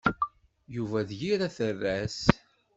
Yuba d yir aterras.